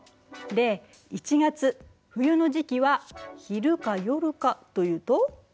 で１月冬の時期は昼か夜かというと？